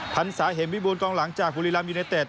พันสาเห็นวิบูลกล้องหลังจากฮุรีรัมย์ยูเนเตต